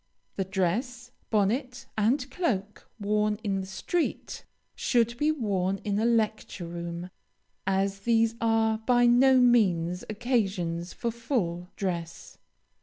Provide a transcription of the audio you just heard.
The dress, bonnet, and cloak, worn in the street, should be worn in a lecture room, as these are, by no means, occasions for full dress.